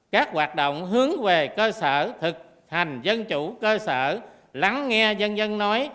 các hoạt động hướng về cơ sở thực hành dân chủ cơ sở lắng nghe dân dân nói